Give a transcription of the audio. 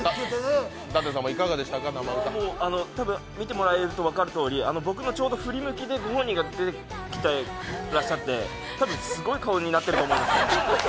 たぶん見てもらえると分かるとおり、僕のちょうど振り向きで御本人が出てきていらっしゃってたぶんすごい顔になってると思うんですよ。